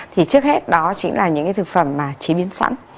thì trước hết đó chính là những thực phẩm chế biến sẵn